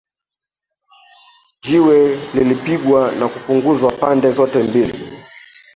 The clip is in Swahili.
jiwe lilipigwa na kupunguzwa pande zote mbili